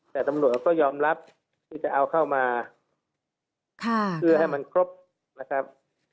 แต่ตำรวจเขาก็ยอมรับที่จะเอาเข้ามาเพื่อให้มันครบนะครับ